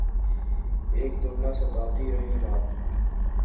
اک تمنا ستاتی رہی رات بھر